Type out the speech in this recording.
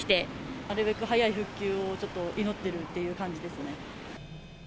なるべく早い復旧を、ちょっと祈っているという感じですね。